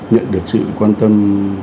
nhận được sự quan tâm